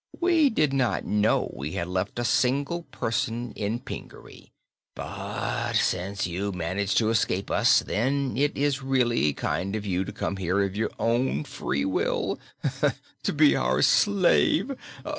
We did not know we had left a single person in Pingaree! But since you managed to escape us then, it is really kind of you to come here of your own free will, to be our slave.